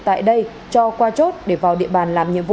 tại đây cho qua chốt để vào địa bàn làm nhiệm vụ